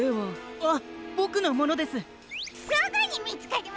あっ！